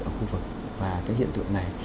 ở khu vực và cái hiện tượng này